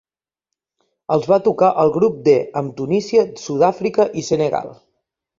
Els va tocar el grup D, amb Tunísia, Sud-àfrica i Senegal.